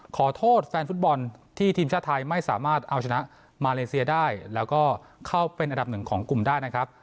ขอโทษแฟนฟุตบอลที่ทีมชาติไทยไม่สามารถเอาชนะมาเลเซียได้แล้วก็เข้าเป็นอันดับหนึ่งของกลุ่มได้นะครับ